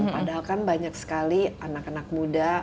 padahal kan banyak sekali anak anak muda